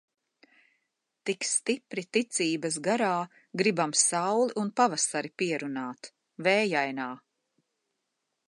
Tik stipri ticības garā Gribam sauli un pavasari pierunāt. Vējainā!